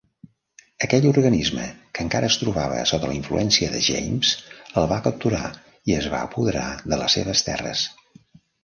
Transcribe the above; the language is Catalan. Aquell organisme, que encara es trobava sota la influència de James, el va capturar i es va apoderar de les seves terres.